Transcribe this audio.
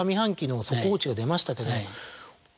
速報値が出ましたけど。